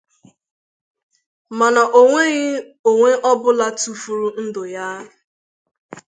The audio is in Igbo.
mana o nweghị onwe ọbụla tụfuru ndụ ya.